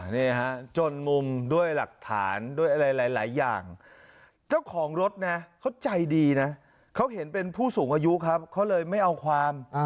นี่ฮะจนมุมด้วยหลักฐานด้วยอะไรหลายอย่างเจ้าของรถนะเขาใจดีนะเขาเห็นเป็นผู้สูงอายุครับเขาเลยไม่เอาความ